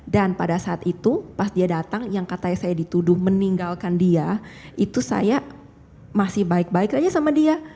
dan pada saat itu pas dia datang yang katanya saya dituduh meninggalkan dia itu saya masih baik baik aja sama dia